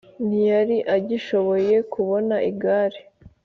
ntiyari agishoboye kubona igare;